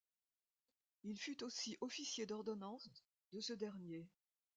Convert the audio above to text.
Il fut aussi officier d'ordonnance de ce dernier.